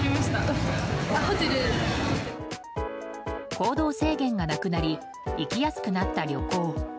行動制限がなくなり行きやすくなった旅行。